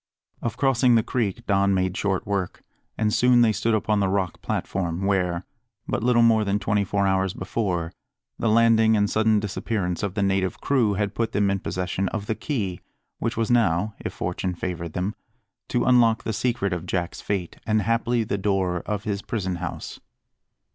Of crossing the creek Don made short work, and soon they stood upon the rock platform, where, but little more than twenty four hours before, the landing and sudden disappearance of the native crew had put them in possession of the key which was now, if fortune favoured them, to unlock the secret of Jack's fate, and, haply, the door of his prison house.